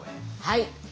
はい。